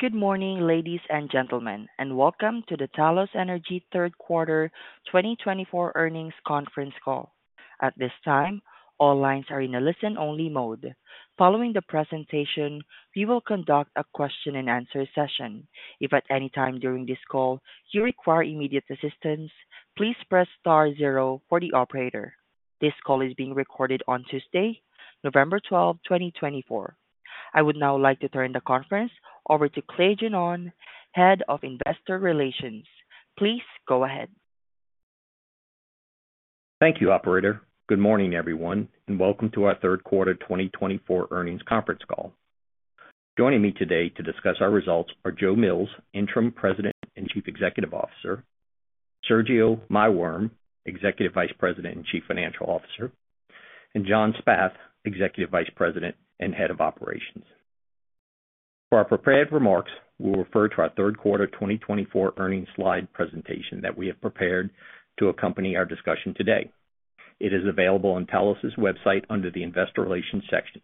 Good morning, ladies and gentlemen, and welcome to the Talos Energy Q3 2024 earnings conference call. At this time, all lines are in a listen-only mode. Following the presentation, we will conduct a question-and-answer session. If at any time during this call you require immediate assistance, please press *0 for the operator. This call is being recorded on Tuesday, November 12, 2024. I would now like to turn the conference over to Clay Jeansonne, Head of Investor Relations. Please go ahead. Thank you, Operator. Good morning, everyone, and welcome to our Q3 2024 earnings conference call. Joining me today to discuss our results are Joe Mills, Interim President and Chief Executive Officer, Sergio Maiworm, Executive Vice President and Chief Financial Officer, and John Spath, Executive Vice President and Head of Operations. For our prepared remarks, we'll refer to our Q3 2024 earnings slide presentation that we have prepared to accompany our discussion today. It is available on Talos' website under the Investor Relations section.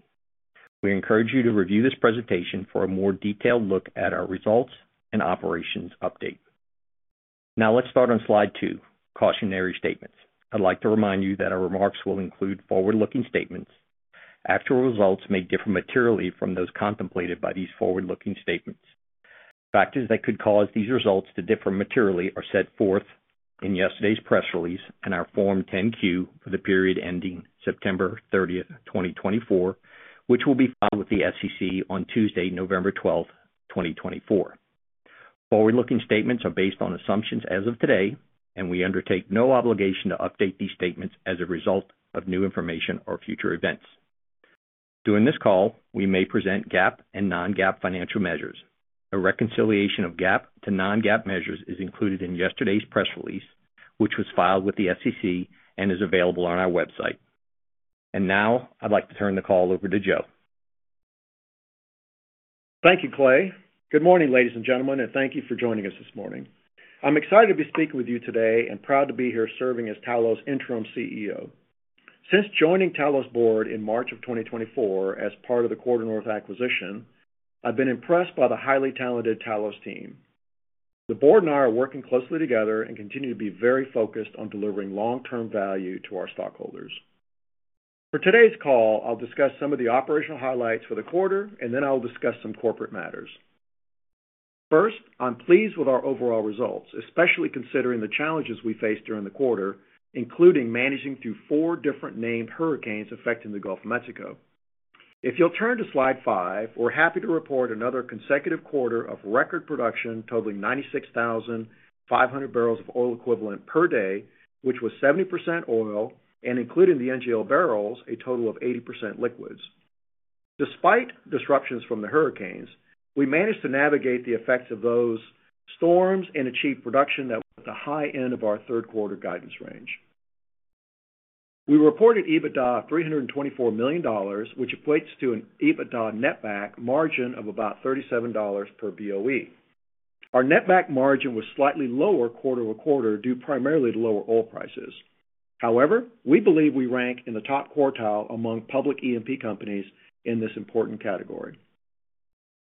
We encourage you to review this presentation for a more detailed look at our results and operations update. Now, let's start on slide two, Cautionary Statements. I'd like to remind you that our remarks will include forward-looking statements. Actual results may differ materially from those contemplated by these forward-looking statements. Factors that could cause these results to differ materially are set forth in yesterday's press release and our Form 10-Q for the period ending September 30, 2024, which will be filed with the SEC on Tuesday, November 12, 2024. Forward-looking statements are based on assumptions as of today, and we undertake no obligation to update these statements as a result of new information or future events. During this call, we may present GAAP and non-GAAP financial measures. A reconciliation of GAAP to non-GAAP measures is included in yesterday's press release, which was filed with the SEC and is available on our website, and now I'd like to turn the call over to Joe. Thank you, Clay. Good morning, ladies and gentlemen, and thank you for joining us this morning. I'm excited to be speaking with you today and proud to be here serving as Talos' Interim CEO. Since joining Talos' board in March of 2024 as part of the QuarteNorth acquisition, I've been impressed by the highly talented Talos team. The board and I are working closely together and continue to be very focused on delivering long-term value to our stockholders. For today's call, I'll discuss some of the operational highlights for the quarter, and then I'll discuss some corporate matters. First, I'm pleased with our overall results, especially considering the challenges we faced during the quarter, including managing through four different named hurricanes affecting the Gulf of Mexico. If you'll turn to slide five, we're happy to report another consecutive quarter of record production totaling 96,500 barrels of oil equivalent per day, which was 70% oil, and including the NGL barrels, a total of 80% liquids. Despite disruptions from the hurricanes, we managed to navigate the effects of those storms and achieve production that was at the high end of our Q3 guidance range. We reported EBITDA of $324 million, which equates to an EBITDA net back margin of about $37 per BOE. Our net back margin was slightly lower quarter to quarter due primarily to lower oil prices. However, we believe we rank in the top quartile among public E&P companies in this important category.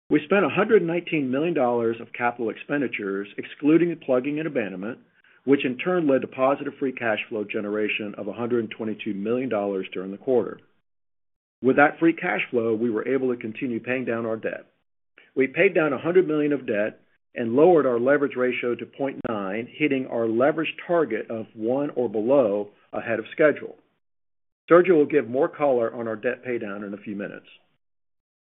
We spent $119 million of capital expenditures excluding plugging and abandonment, which in turn led to positive free cash flow generation of $122 million during the quarter. With that free cash flow, we were able to continue paying down our debt. We paid down $100 million of debt and lowered our leverage ratio to 0.9, hitting our leverage target of one or below ahead of schedule. Sergio will give more color on our debt paydown in a few minutes.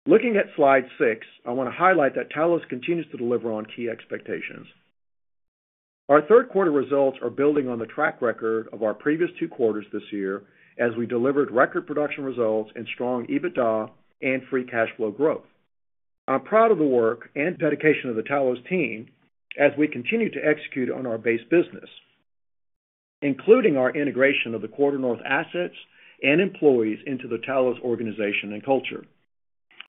Looking at slide six, I want to highlight that Talos continues to deliver on key expectations. Our Q3 results are building on the track record of our previous two quarters this year as we delivered record production results and strong EBITDA and free cash flow growth. I'm proud of the work and dedication of the Talos team as we continue to execute on our base business, including our integration of the Quarter North assets and employees into the Talos organization and culture.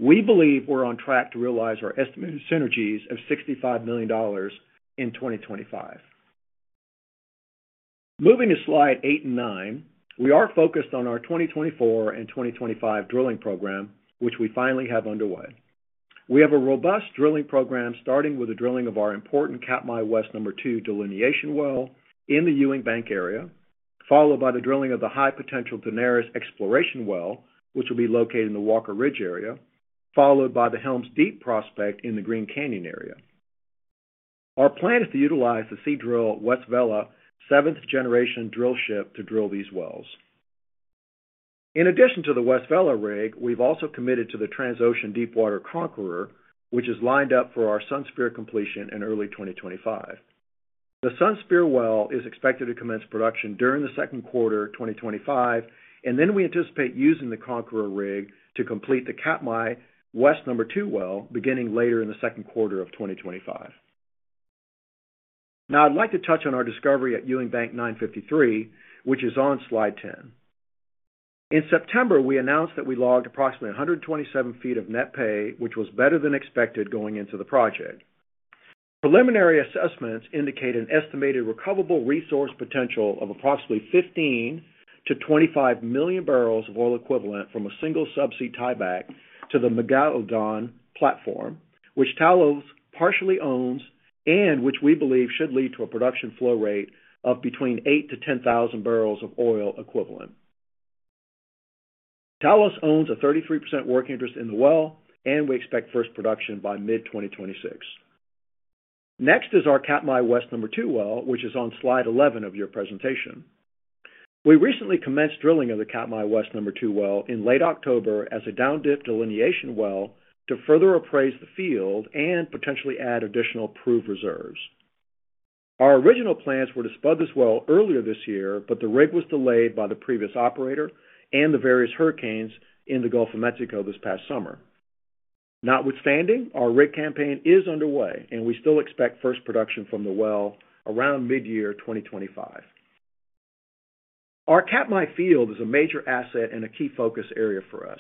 We believe we're on track to realize our estimated synergies of $65 million in 2025. Moving to slide eight and nine, we are focused on our 2024 and 2025 drilling program, which we finally have underway. We have a robust drilling program starting with the drilling of our important Katmai West No. 2 delineation well in the Ewing Bank area, followed by the drilling of the high potential Daenerys exploration well, which will be located in the Walker Ridge area, followed by the Helms Deep prospect in the Green Canyon area. Our plan is to utilize the Seadrill West Vela seventh-generation drill ship to drill these wells. In addition to the West Vela rig, we've also committed to the Transocean Deepwater Conqueror, which is lined up for our Sunspear completion in early 2025. The Sunspear well is expected to commence production during the Q2 2025, and then we anticipate using the Conqueror rig to complete the Katmai West No. 2 well beginning later in the Q2 of 2025. Now, I'd like to touch on our discovery at Ewing Bank 953, which is on slide ten. In September, we announced that we logged approximately 127 feet of net pay, which was better than expected going into the project. Preliminary assessments indicate an estimated recoverable resource potential of approximately 15-25 million barrels of oil equivalent from a single subsea tieback to the Megalodon platform, which Talos partially owns and which we believe should lead to a production flow rate of between 8-10,000 barrels of oil equivalent. Talos owns a 33% working interest in the well, and we expect first production by mid-2026. Next is our Katmai West No. 2 well, which is on slide 11 of your presentation. We recently commenced drilling of the Katmai West No. 2 well in late October as a down-dip delineation well to further appraise the field and potentially add additional proved reserves. Our original plans were to spud this well earlier this year, but the rig was delayed by the previous operator and the various hurricanes in the Gulf of Mexico this past summer. Notwithstanding, our rig campaign is underway, and we still expect first production from the well around mid-year 2025. Our Katmai field is a major asset and a key focus area for us.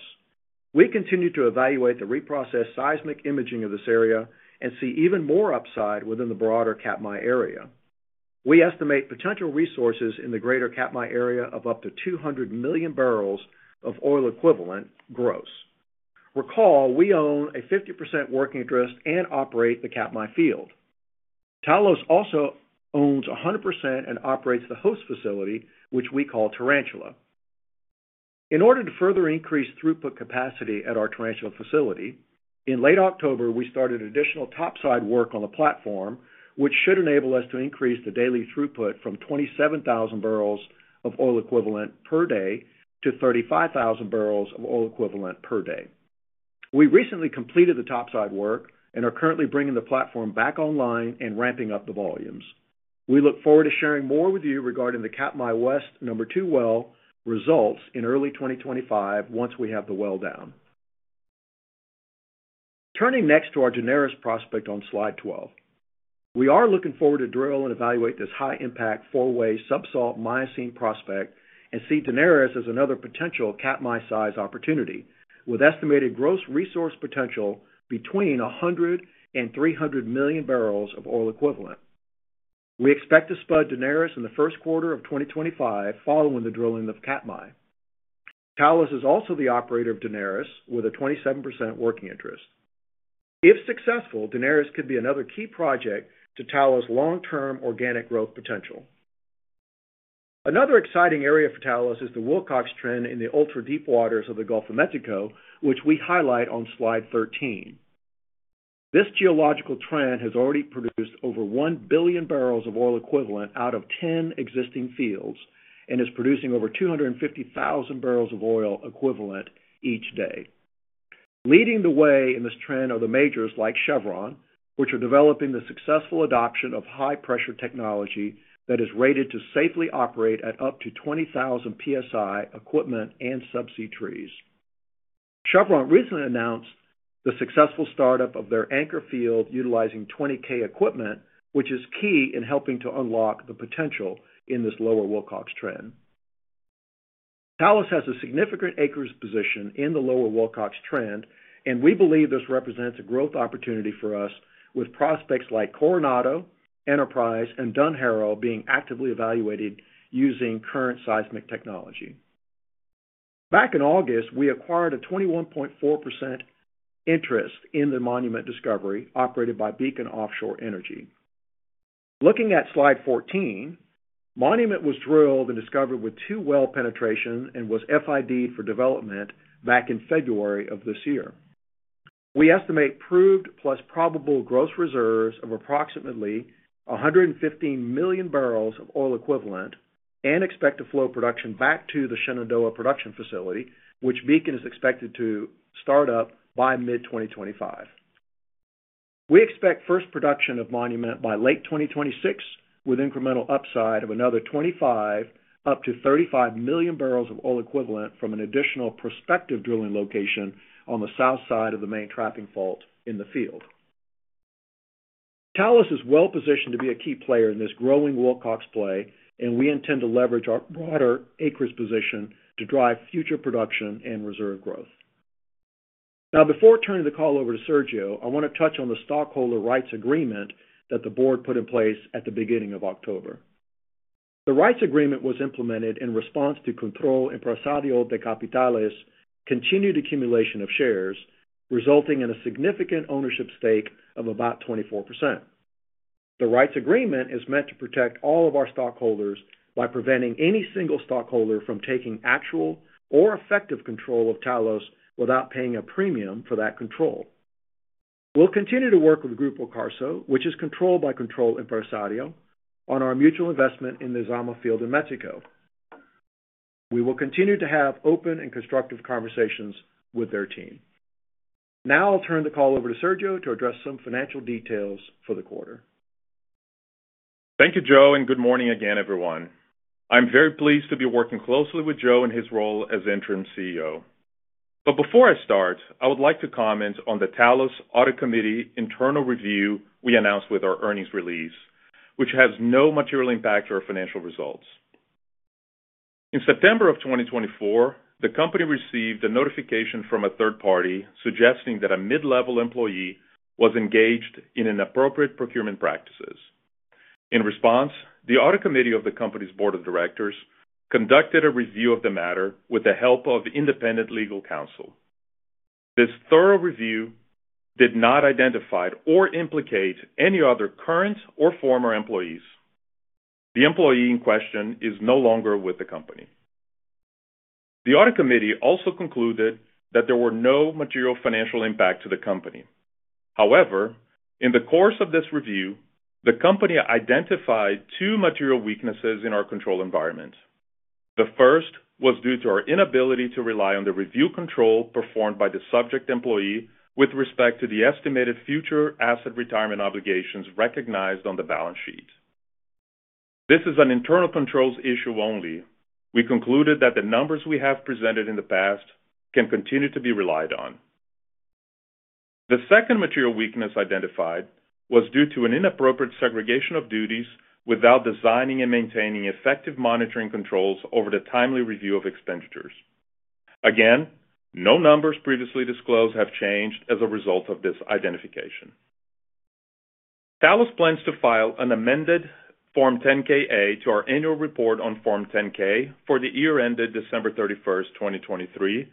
We continue to evaluate the reprocessed seismic imaging of this area and see even more upside within the broader Katmai area. We estimate potential resources in the greater Katmai area of up to 200 million barrels of oil equivalent gross. Recall, we own a 50% working interest and operate the Katmai field. Talos also owns 100% and operates the host facility, which we call Tarantula. In order to further increase throughput capacity at our Tarantula facility, in late October, we started additional topside work on the platform, which should enable us to increase the daily throughput from 27,000 barrels of oil equivalent per day to 35,000 barrels of oil equivalent per day. We recently completed the topside work and are currently bringing the platform back online and ramping up the volumes. We look forward to sharing more with you regarding the Katmai West No. 2 well results in early 2025 once we have the well down. Turning next to our Daenerys prospect on slide 12, we are looking forward to drill and evaluate this high-impact four-way subsalt Miocene prospect and see Daenerys as another potential Katmai-sized opportunity, with estimated gross resource potential between 100 and 300 million barrels of oil equivalent. We expect to spud Daenerys in the Q1 of 2025 following the drilling of Katmai. Talos is also the operator of Daenerys with a 27% working interest. If successful, Daenerys could be another key project to Talos' long-term organic growth potential. Another exciting area for Talos is the Wilcox trend in the ultra-deep waters of the Gulf of Mexico, which we highlight on slide 13. This geological trend has already produced over 1 billion barrels of oil equivalent out of 10 existing fields and is producing over 250,000 barrels of oil equivalent each day. Leading the way in this trend are the majors like Chevron, which are developing the successful adoption of high-pressure technology that is rated to safely operate at up to 20,000 PSI equipment and subsea trees. Chevron recently announced the successful startup of their Anchor field utilizing 20K equipment, which is key in helping to unlock the potential in this Lower Wilcox trend. Talos has a significant acreage position in the Lower Wilcox trend, and we believe this represents a growth opportunity for us, with prospects like Coronado, Enterprise, and Dunharrow being actively evaluated using current seismic technology. Back in August, we acquired a 21.4% interest in the Monument discovery operated by Beacon Offshore Energy. Looking at slide 14, Monument was drilled and discovered with two well penetrations and was FID'd for development back in February of this year. We estimate proved plus probable gross reserves of approximately 115 million barrels of oil equivalent and expect to flow production back to the Shenandoah production facility, which Beacon is expected to start up by mid-2025. We expect first production of Monument by late 2026, with incremental upside of another 25-35 million barrels of oil equivalent from an additional prospective drilling location on the south side of the main trapping fault in the field. Talos is well positioned to be a key player in this growing Wilcox play, and we intend to leverage our broader acreage position to drive future production and reserve growth. Now, before turning the call over to Sergio, I want to touch on the stockholder rights agreement that the board put in place at the beginning of October. The rights agreement was implemented in response to Control Empresario de Capitales' continued accumulation of shares, resulting in a significant ownership stake of about 24%. The rights agreement is meant to protect all of our stockholders by preventing any single stockholder from taking actual or effective control of Talos without paying a premium for that control. We'll continue to work with Grupo Carso, which is controlled by Control Empresario, on our mutual investment in the Zama field in Mexico. We will continue to have open and constructive conversations with their team. Now, I'll turn the call over to Sergio to address some financial details for the quarter. Thank you, Joe, and good morning again, everyone. I'm very pleased to be working closely with Joe and his role as interim CEO. But before I start, I would like to comment on the Talos Audit Committee internal review we announced with our earnings release, which has no material impact on our financial results. In September of 2024, the company received a notification from a third party suggesting that a mid-level employee was engaged in inappropriate procurement practices. In response, the Audit Committee of the company's board of directors conducted a review of the matter with the help of independent legal counsel. This thorough review did not identify or implicate any other current or former employees. The employee in question is no longer with the company. The Audit Committee also concluded that there were no material financial impacts to the company. However, in the course of this review, the company identified two material weaknesses in our control environment. The first was due to our inability to rely on the review control performed by the subject employee with respect to the estimated future asset retirement obligations recognized on the balance sheet. This is an internal controls issue only. We concluded that the numbers we have presented in the past can continue to be relied on. The second material weakness identified was due to an inappropriate segregation of duties without designing and maintaining effective monitoring controls over the timely review of expenditures. Again, no numbers previously disclosed have changed as a result of this identification. Talos plans to file an amended Form 10-K/A to our annual report on Form 10-K for the year ended December 31, 2023,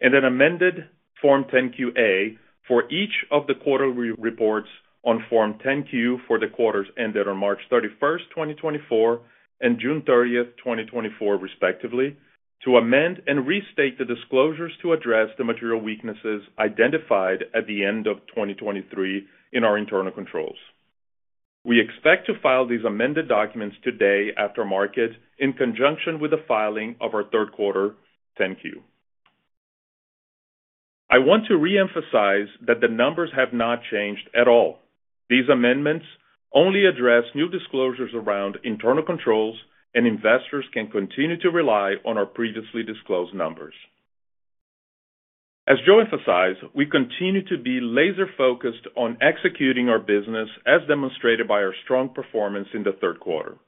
and an amended Form 10-Q/A for each of the quarterly reports on Form 10-Q for the quarters ended on March 31, 2024, and June 30, 2024, respectively, to amend and restate the disclosures to address the material weaknesses identified at the end of 2023 in our internal controls. We expect to file these amended documents today after market in conjunction with the filing of our Q3 10-Q. I want to re-emphasize that the numbers have not changed at all. These amendments only address new disclosures around internal controls, and investors can continue to rely on our previously disclosed numbers. As Joe emphasized, we continue to be laser-focused on executing our business as demonstrated by our strong performance in the Q3.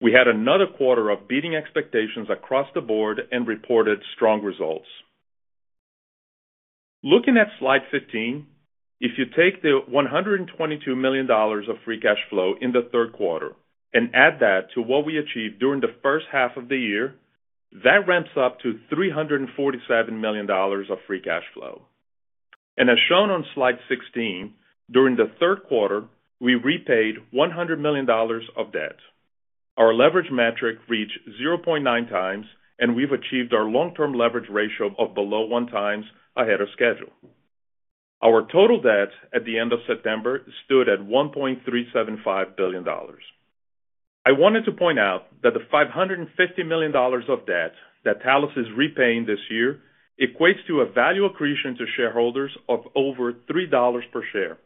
We had another quarter of beating expectations across the board and reported strong results. Looking at slide 15, if you take the $122 million of free cash flow in the Q3 and add that to what we achieved during the first half of the year, that ramps up to $347 million of free cash flow, and as shown on slide 16, during the Q3, we repaid $100 million of debt. Our leverage metric reached 0.9 times, and we've achieved our long-term leverage ratio of below one times ahead of schedule. Our total debt at the end of September stood at $1.375 billion. I wanted to point out that the $550 million of debt that Talos is repaying this year equates to a value accretion to shareholders of over $3 per share.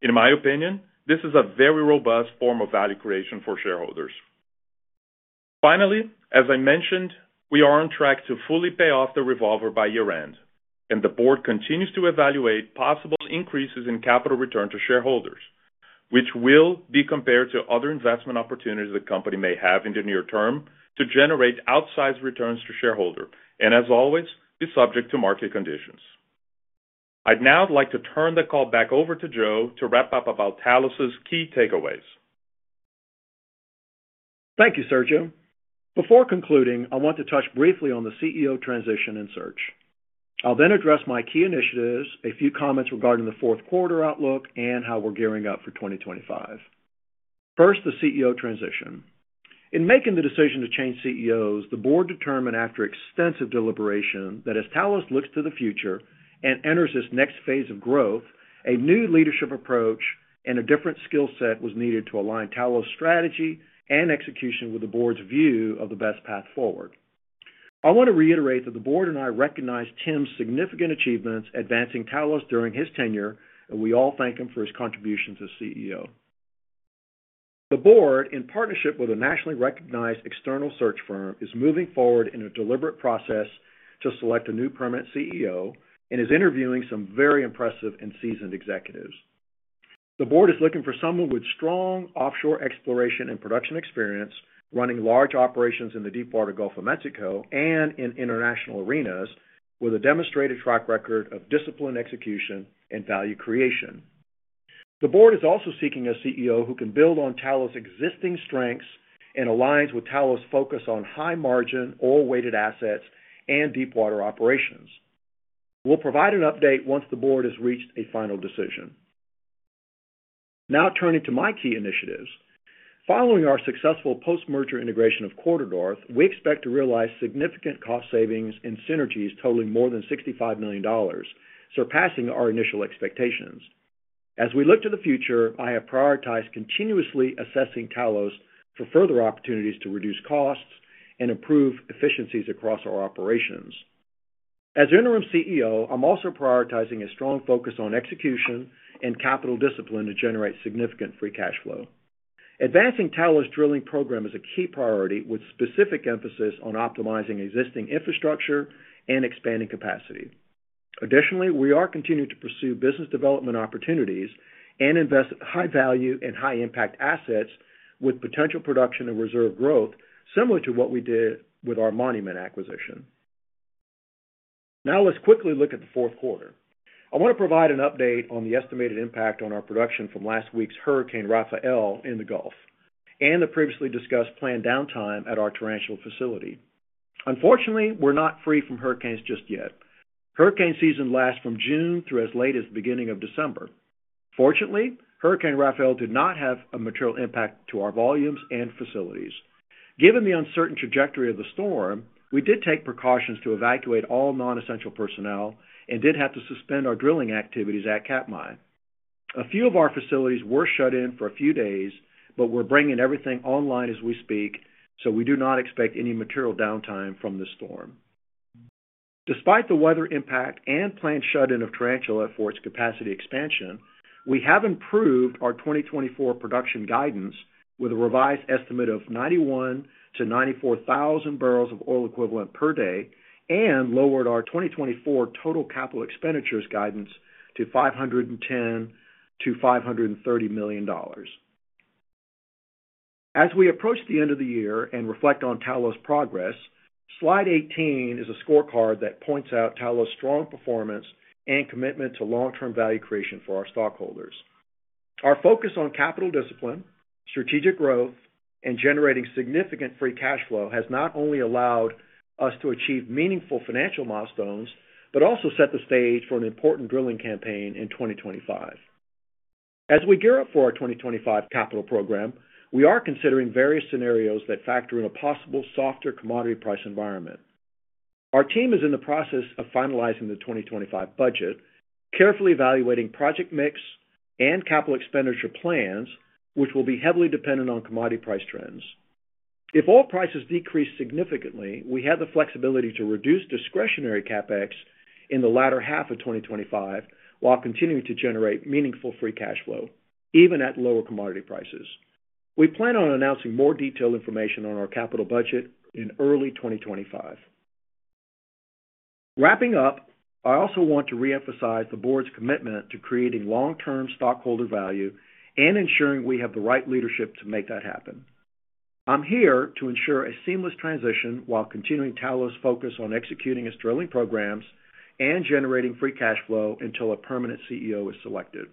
In my opinion, this is a very robust form of value creation for shareholders. Finally, as I mentioned, we are on track to fully pay off the revolver by year-end, and the board continues to evaluate possible increases in capital return to shareholders, which will be compared to other investment opportunities the company may have in the near term to generate outsized returns to shareholders, and as always, be subject to market conditions. I'd now like to turn the call back over to Joe to wrap up about Talos' key takeaways. Thank you, Sergio. Before concluding, I want to touch briefly on the CEO transition and search. I'll then address my key initiatives, a few comments regarding the Q4 outlook, and how we're gearing up for 2025. First, the CEO transition. In making the decision to change CEOs, the board determined after extensive deliberation that as Talos looks to the future and enters its next phase of growth, a new leadership approach and a different skill set was needed to align Talos' strategy and execution with the board's view of the best path forward. I want to reiterate that the board and I recognize Tim's significant achievements advancing Talos during his tenure, and we all thank him for his contributions as CEO. The board, in partnership with a nationally recognized external search firm, is moving forward in a deliberate process to select a new permanent CEO and is interviewing some very impressive and seasoned executives. The board is looking for someone with strong offshore exploration and production experience running large operations in the deep water Gulf of Mexico and in international arenas with a demonstrated track record of discipline execution and value creation. The board is also seeking a CEO who can build on Talos' existing strengths and aligns with Talos' focus on high-margin, oil-weighted assets and deep water operations. We'll provide an update once the board has reached a final decision. Now, turning to my key initiatives. Following our successful post-merger integration of QuarterNorth, we expect to realize significant cost savings and synergies totaling more than $65 million, surpassing our initial expectations. As we look to the future, I have prioritized continuously assessing Talos for further opportunities to reduce costs and improve efficiencies across our operations. As Interim CEO, I'm also prioritizing a strong focus on execution and capital discipline to generate significant free cash flow. Advancing Talos' drilling program is a key priority with specific emphasis on optimizing existing infrastructure and expanding capacity. Additionally, we are continuing to pursue business development opportunities and invest in high-value and high-impact assets with potential production and reserve growth similar to what we did with our Monument acquisition. Now, let's quickly look at the Q4. I want to provide an update on the estimated impact on our production from last week's Hurricane Rafael in the Gulf and the previously discussed planned downtime at our Tarantula facility. Unfortunately, we're not free from hurricanes just yet. Hurricane season lasts from June through as late as the beginning of December. Fortunately, Hurricane Rafael did not have a material impact to our volumes and facilities. Given the uncertain trajectory of the storm, we did take precautions to evacuate all non-essential personnel and did have to suspend our drilling activities at Katmai. A few of our facilities were shut in for a few days, but we're bringing everything online as we speak, so we do not expect any material downtime from the storm. Despite the weather impact and planned shut-in of Tarantula at Force capacity expansion, we have improved our 2024 production guidance with a revised estimate of 91,000-94,000 barrels of oil equivalent per day and lowered our 2024 total capital expenditures guidance to $510-$530 million. As we approach the end of the year and reflect on Talos' progress, slide 18 is a scorecard that points out Talos' strong performance and commitment to long-term value creation for our stockholders. Our focus on capital discipline, strategic growth, and generating significant free cash flow has not only allowed us to achieve meaningful financial milestones but also set the stage for an important drilling campaign in 2025. As we gear up for our 2025 capital program, we are considering various scenarios that factor in a possible softer commodity price environment. Our team is in the process of finalizing the 2025 budget, carefully evaluating project mix and capital expenditure plans, which will be heavily dependent on commodity price trends. If oil prices decrease significantly, we have the flexibility to reduce discretionary CapEx in the latter half of 2025 while continuing to generate meaningful free cash flow, even at lower commodity prices. We plan on announcing more detailed information on our capital budget in early 2025. Wrapping up, I also want to re-emphasize the board's commitment to creating long-term stockholder value and ensuring we have the right leadership to make that happen. I'm here to ensure a seamless transition while continuing Talos' focus on executing its drilling programs and generating free cash flow until a permanent CEO is selected.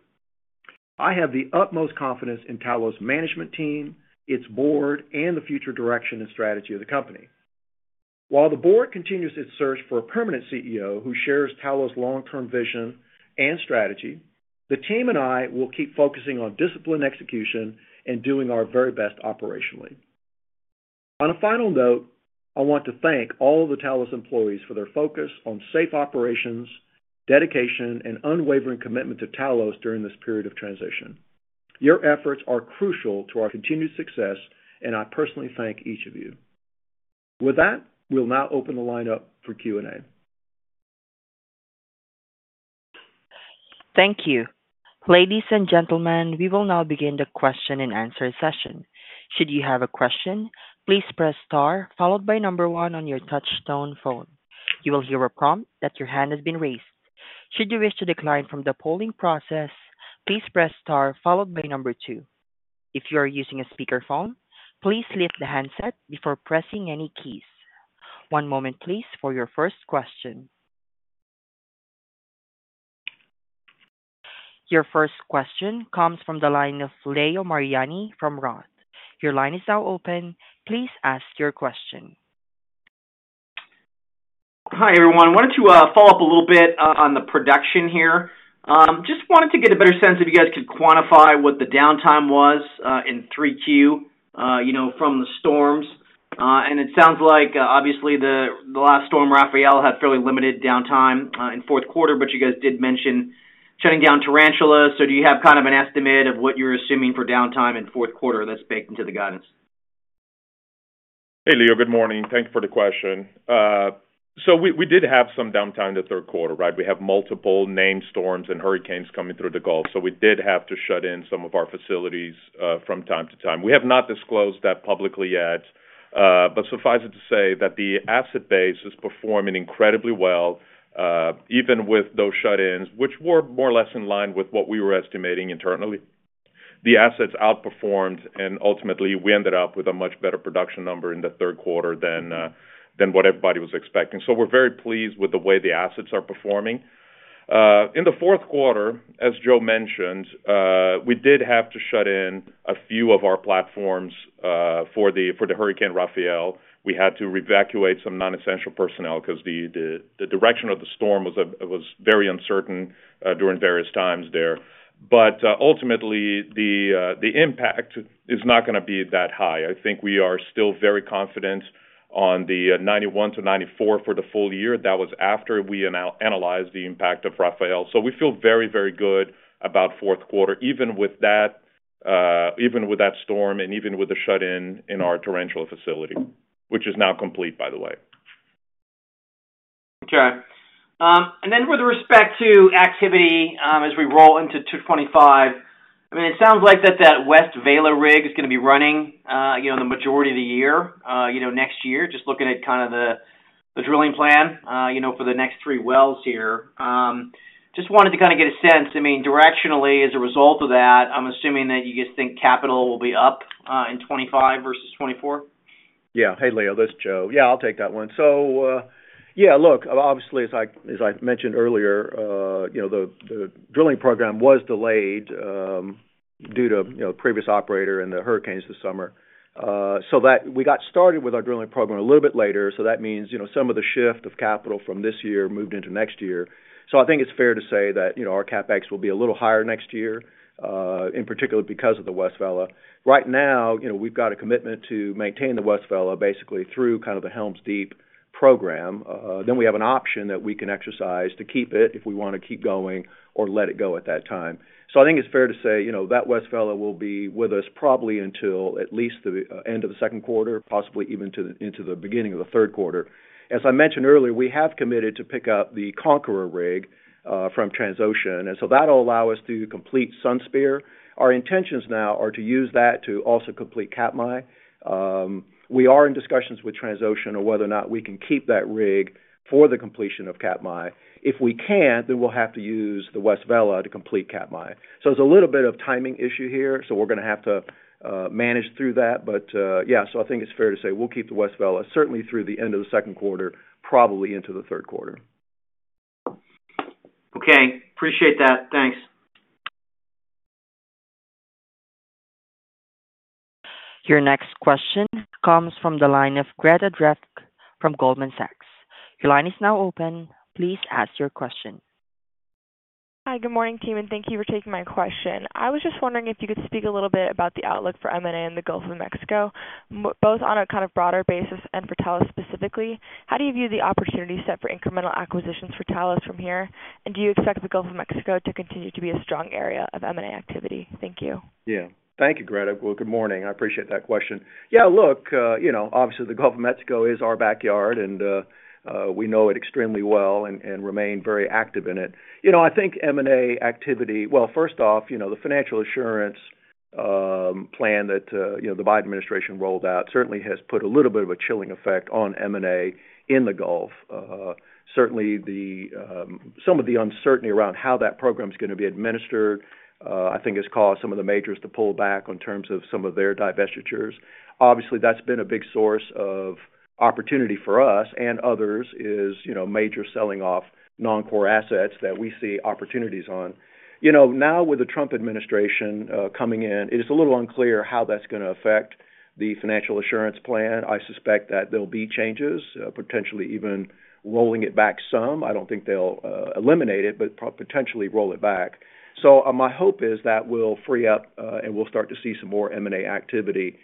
I have the utmost confidence in Talos' management team, its board, and the future direction and strategy of the company. While the board continues its search for a permanent CEO who shares Talos' long-term vision and strategy, the team and I will keep focusing on discipline execution and doing our very best operationally. On a final note, I want to thank all of the Talos employees for their focus on safe operations, dedication, and unwavering commitment to Talos during this period of transition. Your efforts are crucial to our continued success, and I personally thank each of you. With that, we'll now open the line up for Q&A. Thank you. Ladies and gentlemen, we will now begin the question and answer session. Should you have a question, please press star followed by number one on your touch-tone phone. You will hear a prompt that your hand has been raised. Should you wish to decline from the polling process, please press star followed by number two. If you are using a speakerphone, please lift the handset before pressing any keys. One moment, please, for your first question. Your first question comes from the line of Leo Mariani from Roth. Your line is now open. Please ask your question. Hi, everyone. I wanted to follow up a little bit on the production here. Just wanted to get a better sense if you guys could quantify what the downtime was in 3Q from the storms. And it sounds like, obviously, the last storm, Rafael, had fairly limited downtime in Q4, but you guys did mention shutting down Tarantula. So do you have kind of an estimate of what you're assuming for downtime in Q4 that's baked into the guidance? Hey, Leo. Good morning. Thank you for the question. So we did have some downtime in Q4, right? We have multiple named storms and hurricanes coming through the Gulf, so we did have to shut in some of our facilities from time to time. We have not disclosed that publicly yet, but suffice it to say that the asset base is performing incredibly well, even with those shut-ins, which were more or less in line with what we were estimating internally. The assets outperformed, and ultimately, we ended up with a much better production number in Q4 than what everybody was expecting. So we're very pleased with the way the assets are performing. In Q4, as Joe mentioned, we did have to shut in a few of our platforms for the Hurricane Rafael. We had to evacuate some non-essential personnel because the direction of the storm was very uncertain during various times there. But ultimately, the impact is not going to be that high. I think we are still very confident on the 91-94 for the full year. That was after we analyzed the impact of Rafael. So we feel very, very good about Q4, even with that storm and even with the shut-in in our Tarantula facility, which is now complete, by the way. Okay. And then with respect to activity as we roll into 2025, I mean, it sounds like that West Vela rig is going to be running the majority of the year next year, just looking at kind of the drilling plan for the next three wells here. Just wanted to kind of get a sense. I mean, directionally, as a result of that, I'm assuming that you just think capital will be up in 2025 versus 2024? Yeah. Hey, Leo. This is Joe. Yeah, I'll take that one. So yeah, look, obviously, as I mentioned earlier, the drilling program was delayed due to a previous operator and the hurricanes this summer. So we got started with our drilling program a little bit later. So that means some of the shift of capital from this year moved into next year. So I think it's fair to say that our CapEx will be a little higher next year, in particular because of the West Vela. Right now, we've got a commitment to maintain the West Vela basically through kind of the Helms Deep program. Then we have an option that we can exercise to keep it if we want to keep going or let it go at that time. I think it's fair to say that West Vela will be with us probably until at least the end of the second quarter, possibly even into the beginning of the third quarter. As I mentioned earlier, we have committed to pick up the Conqueror rig from Transocean. And so that'll allow us to complete Sunspear. Our intentions now are to use that to also complete Katmai. We are in discussions with Transocean on whether or not we can keep that rig for the completion of Katmai. If we can't, then we'll have to use the West Vela to complete Katmai. So it's a little bit of timing issue here, so we're going to have to manage through that. But yeah, so I think it's fair to say we'll keep the West Vela, certainly through the end of the second quarter, probably into the third quarter. Okay. Appreciate that. Thanks. Your next question comes from the line of Greta Drefke from Goldman Sachs. Your line is now open. Please ask your question. Hi, good morning, Tim, and thank you for taking my question. I was just wondering if you could speak a little bit about the outlook for M&A in the Gulf of Mexico, both on a kind of broader basis and for Talos specifically. How do you view the opportunity set for incremental acquisitions for Talos from here? And do you expect the Gulf of Mexico to continue to be a strong area of M&A activity? Thank you. Yeah. Thank you, Greta. Well, good morning. I appreciate that question. Yeah, look, obviously, the Gulf of Mexico is our backyard, and we know it extremely well and remain very active in it. I think M&A activity well, first off, the financial assurance plan that the Biden administration rolled out certainly has put a little bit of a chilling effect on M&A in the Gulf. Certainly, some of the uncertainty around how that program is going to be administered, I think, has caused some of the majors to pull back in terms of some of their divestitures. Obviously, that's been a big source of opportunity for us and others is major selling off non-core assets that we see opportunities on. Now, with the Trump administration coming in, it is a little unclear how that's going to affect the financial assurance plan. I suspect that there'll be changes, potentially even rolling it back some. I don't think they'll eliminate it, but potentially roll it back. So my hope is that we'll free up and we'll start to see some more M&A activity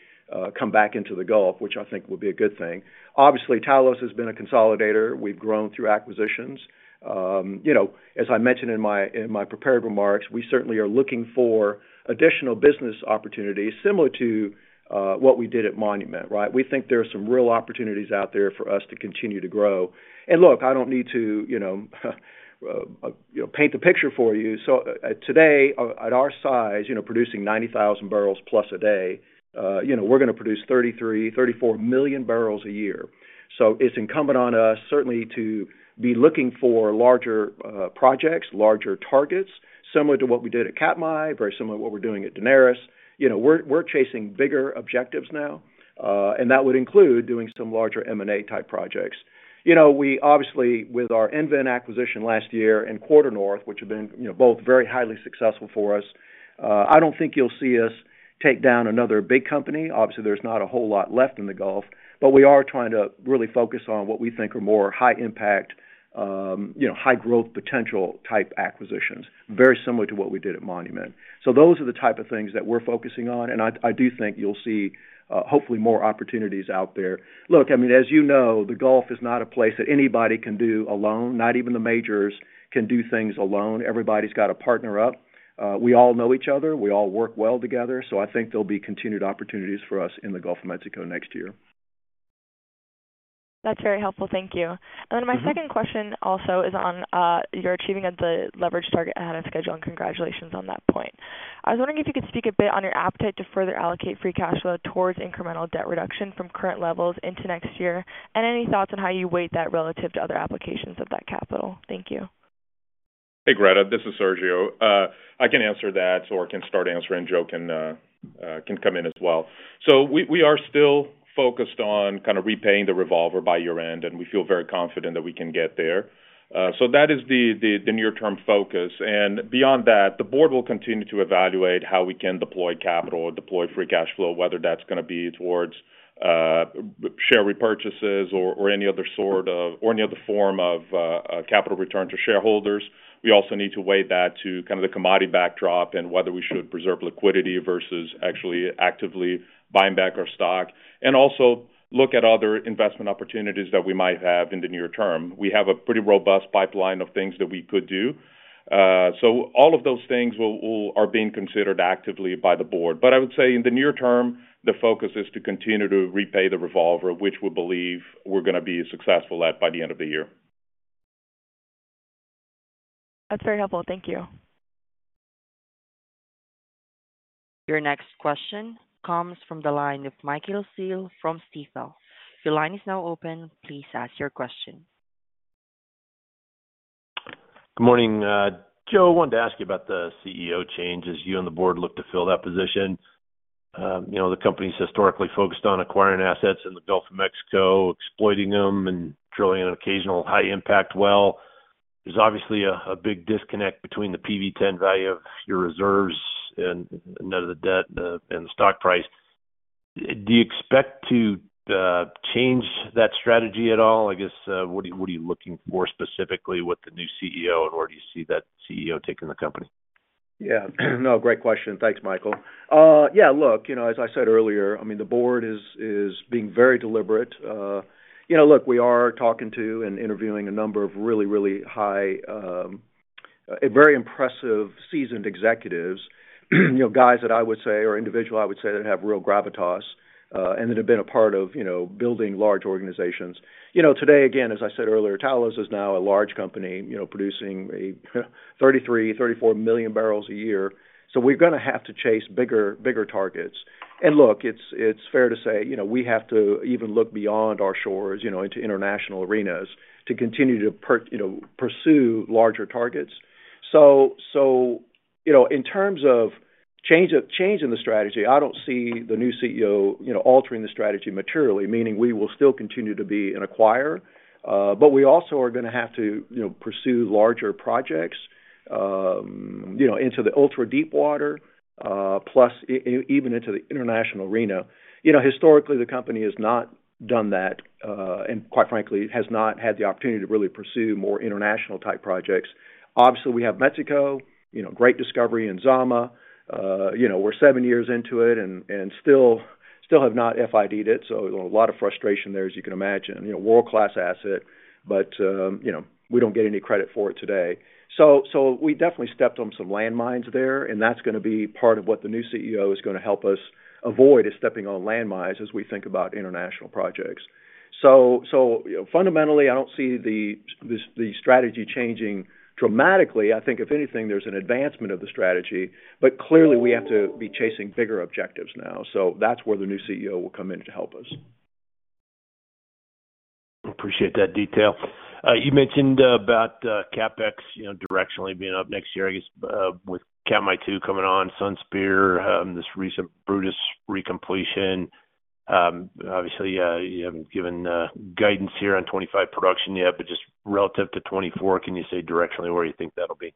come back into the Gulf, which I think would be a good thing. Obviously, Talos has been a consolidator. We've grown through acquisitions. As I mentioned in my prepared remarks, we certainly are looking for additional business opportunities similar to what we did at Monument, right? We think there are some real opportunities out there for us to continue to grow. And look, I don't need to paint the picture for you. So today, at our size, producing 90,000 barrels plus a day, we're going to produce 33, 34 million barrels a year. It's incumbent on us certainly to be looking for larger projects, larger targets, similar to what we did at Katmai, very similar to what we're doing at Daenerys. We're chasing bigger objectives now, and that would include doing some larger M&A-type projects. Obviously, with our EnVen acquisition last year and QuarterNorth, which have been both very highly successful for us, I don't think you'll see us take down another big company. Obviously, there's not a whole lot left in the Gulf, but we are trying to really focus on what we think are more high-impact, high-growth potential type acquisitions, very similar to what we did at Monument. So those are the type of things that we're focusing on, and I do think you'll see hopefully more opportunities out there. Look, I mean, as you know, the Gulf is not a place that anybody can do alone. Not even the majors can do things alone. Everybody's got a partner up. We all know each other. We all work well together. So I think there'll be continued opportunities for us in the Gulf of Mexico next year. That's very helpful. Thank you. And then my second question also is on your achieving of the leverage target ahead of schedule, and congratulations on that point. I was wondering if you could speak a bit on your appetite to further allocate free cash flow towards incremental debt reduction from current levels into next year, and any thoughts on how you weight that relative to other applications of that capital. Thank you. Hey, Greta. This is Sergio. I can answer that or can start answering, and Joe can come in as well. So we are still focused on kind of repaying the revolver by year-end, and we feel very confident that we can get there. So that is the near-term focus. And beyond that, the board will continue to evaluate how we can deploy capital, deploy free cash flow, whether that's going to be towards share repurchases or any other sort of or any other form of capital return to shareholders. We also need to weigh that to kind of the commodity backdrop and whether we should preserve liquidity versus actually actively buying back our stock, and also look at other investment opportunities that we might have in the near term. We have a pretty robust pipeline of things that we could do. So all of those things are being considered actively by the board. But I would say in the near term, the focus is to continue to repay the revolver, which we believe we're going to be successful at by the end of the year. That's very helpful. Thank you. Your next question comes from the line of Michael Scialla from Stifel. Your line is now open. Please ask your question. Good morning. Joe, I wanted to ask you about the CEO changes. You and the board look to fill that position. The company's historically focused on acquiring assets in the Gulf of Mexico, exploiting them, and drilling an occasional high-impact well. There's obviously a big disconnect between the PV10 value of your reserves and the debt and the stock price. Do you expect to change that strategy at all? I guess, what are you looking for specifically with the new CEO, and where do you see that CEO taking the company? Yeah. No, great question. Thanks, Michael. Yeah, look, as I said earlier, I mean, the board is being very deliberate. Look, we are talking to and interviewing a number of really, really high, very impressive, seasoned executives, guys that I would say are individuals I would say that have real gravitas and that have been a part of building large organizations. Today, again, as I said earlier, Talos is now a large company producing 33-34 million barrels a year. So we're going to have to chase bigger targets. And look, it's fair to say we have to even look beyond our shores into international arenas to continue to pursue larger targets. So in terms of changing the strategy, I don't see the new CEO altering the strategy materially, meaning we will still continue to be an acquirer, but we also are going to have to pursue larger projects into the ultra-deep water, plus even into the international arena. Historically, the company has not done that, and quite frankly, has not had the opportunity to really pursue more international-type projects. Obviously, we have Mexico, great discovery, and Zama. We're seven years into it and still have not FID'd it. So a lot of frustration there, as you can imagine. World-class asset, but we don't get any credit for it today. So we definitely stepped on some landmines there, and that's going to be part of what the new CEO is going to help us avoid is stepping on landmines as we think about international projects. So fundamentally, I don't see the strategy changing dramatically. I think, if anything, there's an advancement of the strategy, but clearly, we have to be chasing bigger objectives now. So that's where the new CEO will come in to help us. Appreciate that detail. You mentioned about CapEx directionally being up next year, I guess, with Katmai 2 coming on, Sunspear, this recent Brutus recompletion. Obviously, you haven't given guidance here on 2025 production yet, but just relative to 2024, can you say directionally where you think that'll be?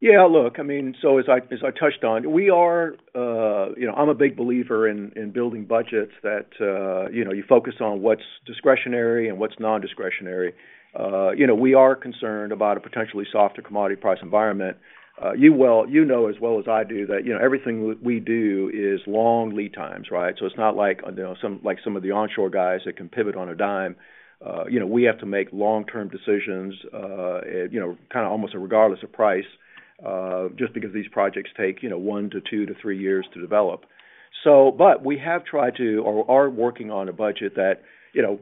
Yeah. Look, I mean, so as I touched on, we are. I'm a big believer in building budgets that you focus on what's discretionary and what's non-discretionary. We are concerned about a potentially softer commodity price environment. You know as well as I do that everything we do is long lead times, right? So it's not like some of the onshore guys that can pivot on a dime. We have to make long-term decisions kind of almost regardless of price just because these projects take one to two to three years to develop. But we have tried to or are working on a budget that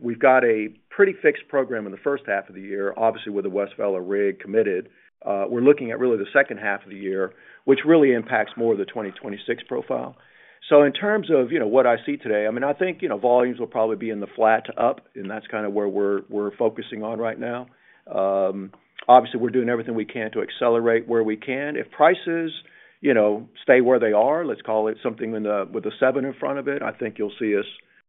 we've got a pretty fixed program in the first half of the year, obviously with the West Vela rig committed. We're looking at really the second half of the year, which really impacts more of the 2026 profile. So in terms of what I see today, I mean, I think volumes will probably be in the flat to up, and that's kind of where we're focusing on right now. Obviously, we're doing everything we can to accelerate where we can. If prices stay where they are, let's call it something with a seven in front of it, I think you'll see us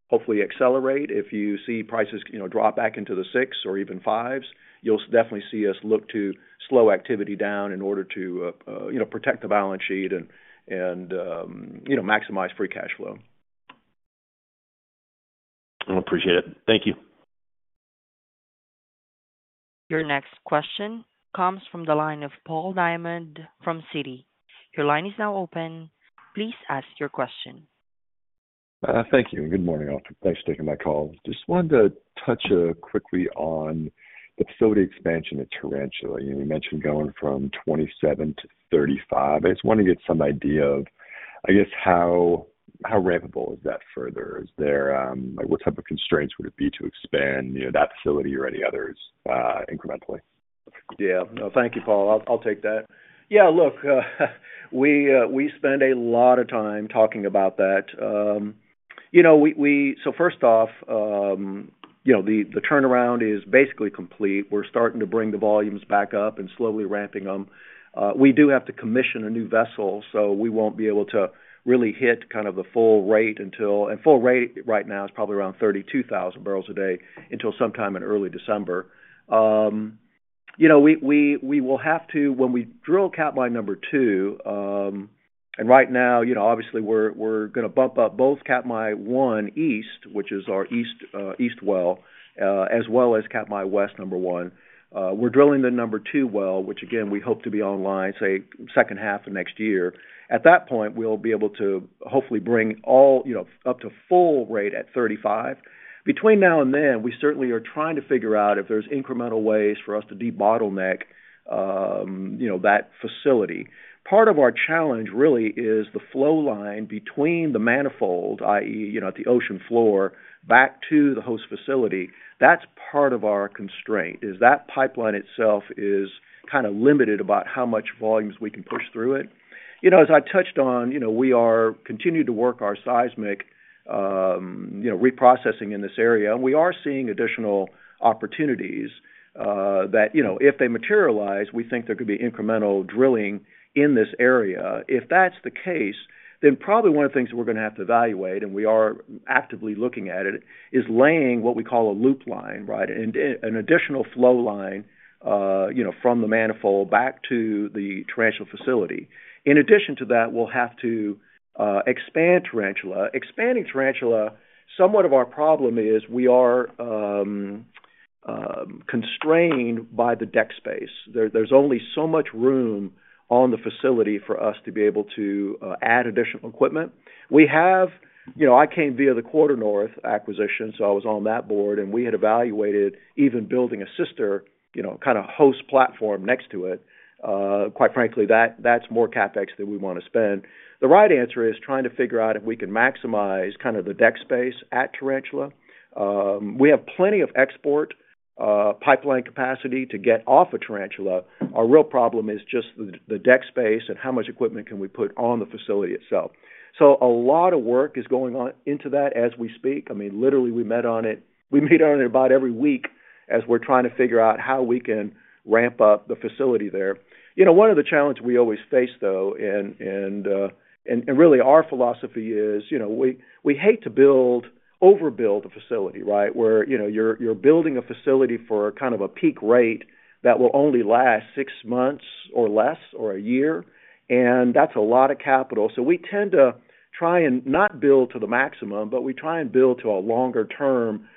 hopefully accelerate. If you see prices drop back into the sixes or even fives, you'll definitely see us look to slow activity down in order to protect the balance sheet and maximize free cash flow. I appreciate it. Thank you. Your next question comes from the line of Paul Diamond from Citi. Your line is now open. Please ask your question. Thank you. Good morning, Arthur. Thanks for taking my call. Just wanted to touch quickly on the facility expansion at Tarantula. You mentioned going from 27 to 35. I just want to get some idea of, I guess, how ramp able is that further? What type of constraints would it be to expand that facility or any others incrementally? Yeah. No, thank you, Paul. I'll take that. Yeah. Look, we spend a lot of time talking about that. So first off, the turnaround is basically complete. We're starting to bring the volumes back up and slowly ramping them. We do have to commission a new vessel, so we won't be able to really hit kind of the full rate until, and full rate right now is probably around 32,000 barrels a day, until sometime in early December. We will have to, when we drill Katmai number two, and right now, obviously, we're going to bump up both Katmai one east, which is our east well, as well as Katmai west number one. We're drilling the number two well, which, again, we hope to be online, say, second half of next year. At that point, we'll be able to hopefully bring all up to full rate at 35. Between now and then, we certainly are trying to figure out if there's incremental ways for us to debottleneck that facility. Part of our challenge really is the flow line between the manifold, i.e., at the ocean floor back to the host facility. That's part of our constraint, is that pipeline itself is kind of limited about how much volumes we can push through it. As I touched on, we are continuing to work our seismic reprocessing in this area, and we are seeing additional opportunities that if they materialize, we think there could be incremental drilling in this area. If that's the case, then probably one of the things that we're going to have to evaluate, and we are actively looking at it, is laying what we call a loop line, right, an additional flow line from the manifold back to the Tarantula facility. In addition to that, we'll have to expand Tarantula. Expanding Tarantula, somewhat of our problem is we are constrained by the deck space. There's only so much room on the facility for us to be able to add additional equipment. I came via the QuarterNorth acquisition, so I was on that board, and we had evaluated even building a sister kind of host platform next to it. Quite frankly, that's more CapEx than we want to spend. The right answer is trying to figure out if we can maximize kind of the deck space at Tarantula. We have plenty of export pipeline capacity to get off of Tarantula. Our real problem is just the deck space and how much equipment can we put on the facility itself. So a lot of work is going on into that as we speak. I mean, literally, we met on it. We meet on it about every week as we're trying to figure out how we can ramp up the facility there. One of the challenges we always face, though, and really our philosophy is we hate to overbuild a facility, right, where you're building a facility for kind of a peak rate that will only last six months or less or a year, and that's a lot of capital. So we tend to try and not build to the maximum, but we try and build to a longer term,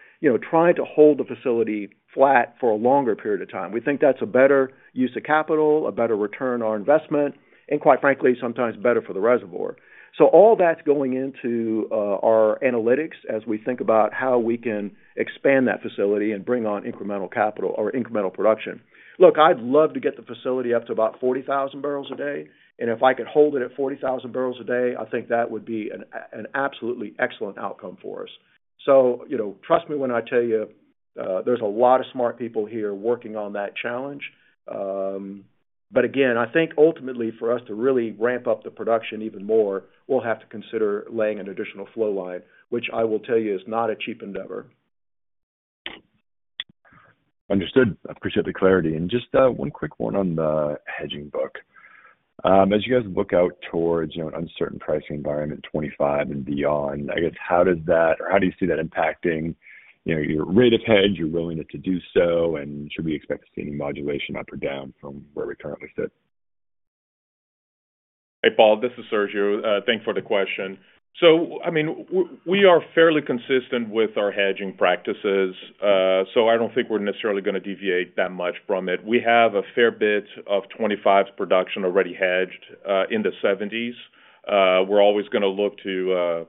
trying to hold the facility flat for a longer period of time. We think that's a better use of capital, a better return on investment, and quite frankly, sometimes better for the reservoir. So all that's going into our analytics as we think about how we can expand that facility and bring on incremental capital or incremental production. Look, I'd love to get the facility up to about 40,000 barrels a day, and if I could hold it at 40,000 barrels a day, I think that would be an absolutely excellent outcome for us. So trust me when I tell you there's a lot of smart people here working on that challenge. But again, I think ultimately for us to really ramp up the production even more, we'll have to consider laying an additional flow line, which I will tell you is not a cheap endeavor. Understood. Appreciate the clarity. And just one quick one on the hedging book. As you guys look out towards an uncertain pricing environment, 2025 and beyond, I guess, how does that or how do you see that impacting your rate of hedge, your willingness to do so, and should we expect to see any modulation up or down from where we currently sit? Hey, Paul. This is Sergio. Thanks for the question. So I mean, we are fairly consistent with our hedging practices, so I don't think we're necessarily going to deviate that much from it. We have a fair bit of 2025's production already hedged in the $70s. We're always going to look to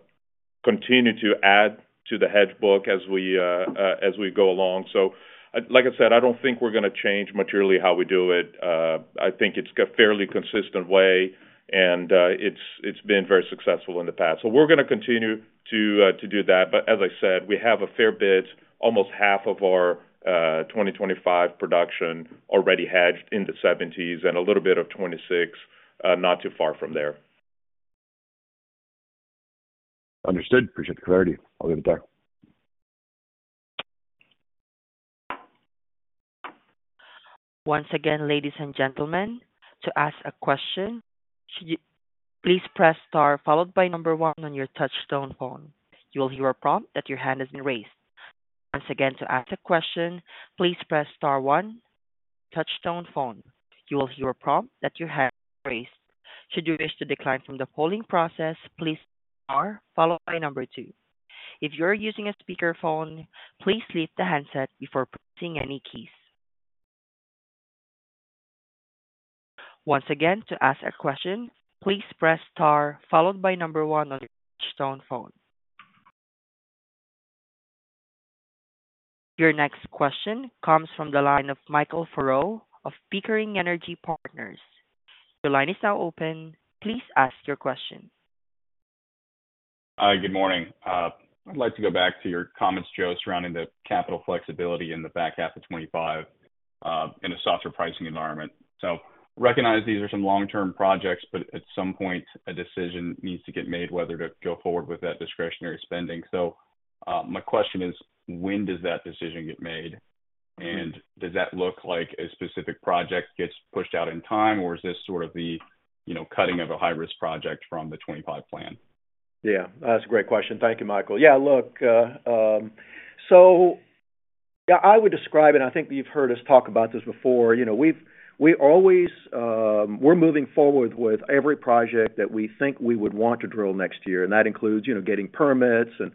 continue to add to the hedge book as we go along. So like I said, I don't think we're going to change materially how we do it. I think it's a fairly consistent way, and it's been very successful in the past. So we're going to continue to do that. But as I said, we have a fair bit, almost half of our 2025 production already hedged in the $70s and a little bit of 2026, not too far from there. Understood. Appreciate the clarity. I'll leave it there. Once again, ladies and gentlemen, to ask a question, please press star followed by number one on your touch-tone phone. You will hear a prompt that your hand has been raised. Once again, to ask a question, please press star one, touch-tone phone. You will hear a prompt that your hand has been raised. Should you wish to decline from the polling process, please press star followed by number two. If you are using a speakerphone, please leave the handset before pressing any keys. Once again, to ask a question, please press star followed by number one on your touch-tone phone. Your next question comes from the line of Michael Furrow of Pickering Energy Partners. The line is now open. Please ask your question. Hi, good morning. I'd like to go back to your comments, Joe, surrounding the capital flexibility in the back half of 2025 in a softer pricing environment, so recognize these are some long-term projects, but at some point, a decision needs to get made whether to go forward with that discretionary spending, so my question is, when does that decision get made? And does that look like a specific project gets pushed out in time, or is this sort of the cutting of a high-risk project from the 2025 plan? Yeah. That's a great question. Thank you, Michael. Yeah. Look, so I would describe it, and I think you've heard us talk about this before. We're moving forward with every project that we think we would want to drill next year, and that includes getting permits and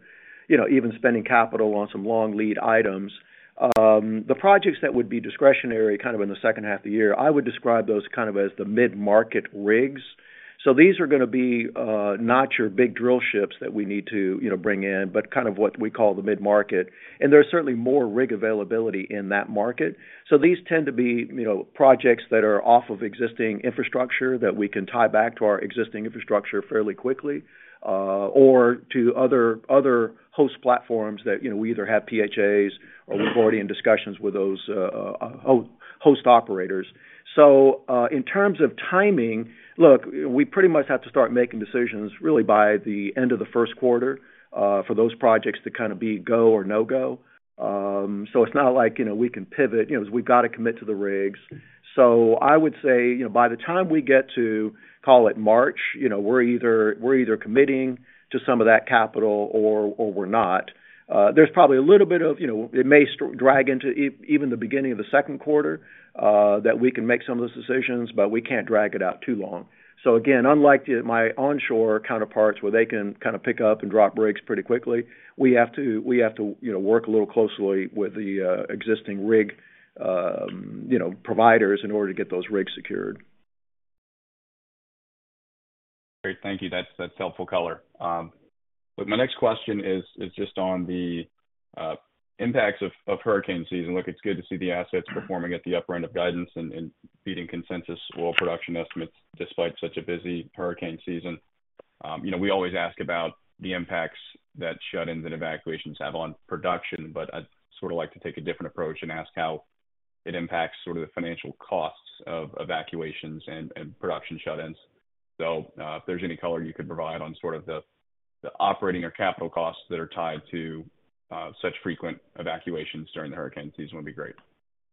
even spending capital on some long lead items. The projects that would be discretionary kind of in the second half of the year, I would describe those kind of as the mid-market rigs. So these are going to be not your big drill ships that we need to bring in, but kind of what we call the mid-market. And there's certainly more rig availability in that market. So these tend to be projects that are off of existing infrastructure that we can tie back to our existing infrastructure fairly quickly or to other host platforms that we either have PHAs or we've already in discussions with those host operators. So in terms of timing, look, we pretty much have to start making decisions really by the end of the first quarter for those projects to kind of be go or no-go. So it's not like we can pivot because we've got to commit to the rigs. So I would say by the time we get to, call it March, we're either committing to some of that capital or we're not. There's probably a little bit of it may drag into even the beginning of the second quarter that we can make some of those decisions, but we can't drag it out too long. So again, unlike my onshore counterparts where they can kind of pick up and drop rigs pretty quickly, we have to work a little closely with the existing rig providers in order to get those rigs secured. Great. Thank you. That's helpful color. But my next question is just on the impacts of hurricane season. Look, it's good to see the assets performing at the upper end of guidance and beating consensus oil production estimates despite such a busy hurricane season. We always ask about the impacts that shut-ins and evacuations have on production, but I'd sort of like to take a different approach and ask how it impacts sort of the financial costs of evacuations and production shut-ins. So if there's any color you could provide on sort of the operating or capital costs that are tied to such frequent evacuations during the hurricane season, that would be great.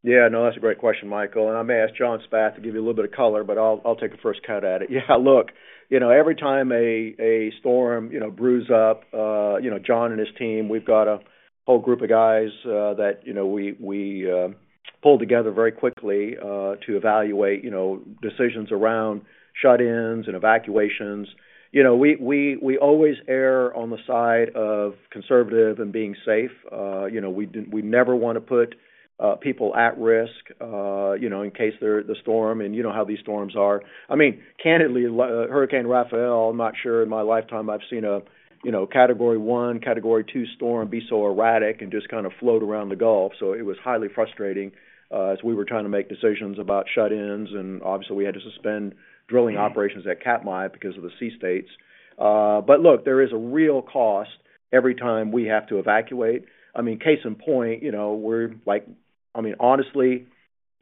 Yeah. No, that's a great question, Michael. And I may ask John Spath to give you a little bit of color, but I'll take a first cut at it. Yeah. Look, every time a storm brews up, John and his team, we've got a whole group of guys that we pull together very quickly to evaluate decisions around shut-ins and evacuations. We always err on the side of conservative and being safe. We never want to put people at risk in case there's a storm, and you know how these storms are. I mean, candidly, Hurricane Rafael, I'm not sure in my lifetime I've seen a category one, category two storm be so erratic and just kind of float around the Gulf. So it was highly frustrating as we were trying to make decisions about shut-ins, and obviously, we had to suspend drilling operations at Katmai because of the sea states. But look, there is a real cost every time we have to evacuate. I mean, case in point, we're like, I mean, honestly,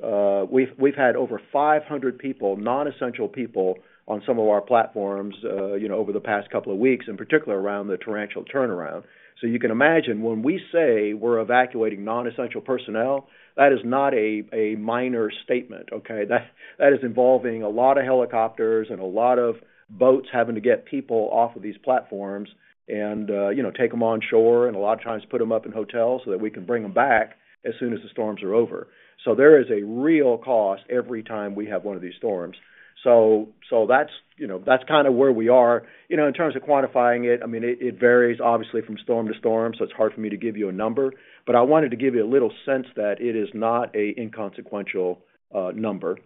we've had over 500 people, non-essential people on some of our platforms over the past couple of weeks, in particular around the Tarantula turnaround. So you can imagine when we say we're evacuating non-essential personnel, that is not a minor statement, okay? That is involving a lot of helicopters and a lot of boats having to get people off of these platforms and take them onshore and a lot of times put them up in hotels so that we can bring them back as soon as the storms are over. So there is a real cost every time we have one of these storms. So that's kind of where we are. In terms of quantifying it, I mean, it varies obviously from storm to storm, so it's hard for me to give you a number, but I wanted to give you a little sense that it is not an inconsequential number.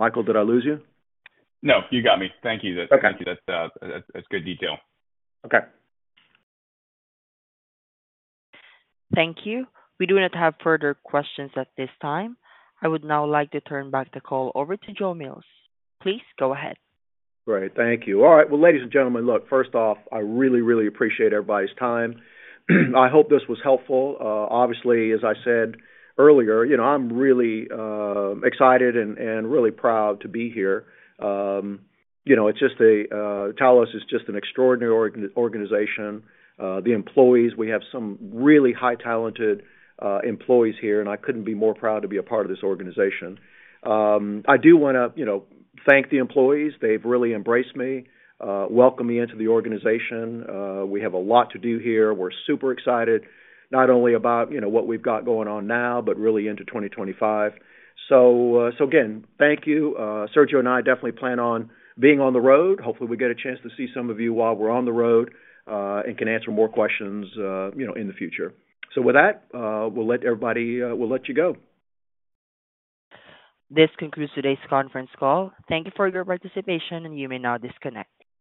Michael, did I lose you? No. You got me. Thank you. That's good detail. Okay. Thank you. We do not have further questions at this time. I would now like to turn back the call over to Joe Mills. Please go ahead. Great. Thank you. All right, well, ladies and gentlemen, look, first off, I really, really appreciate everybody's time. I hope this was helpful. Obviously, as I said earlier, I'm really excited and really proud to be here. It's just a Talos is just an extraordinary organization. The employees, we have some really high-talented employees here, and I couldn't be more proud to be a part of this organization. I do want to thank the employees. They've really embraced me, welcomed me into the organization. We have a lot to do here. We're super excited, not only about what we've got going on now, but really into 2025. So again, thank you. Sergio and I definitely plan on being on the road. Hopefully, we get a chance to see some of you while we're on the road and can answer more questions in the future. So with that, we'll let everybody go. This concludes today's conference call. Thank you for your participation, and you may now disconnect.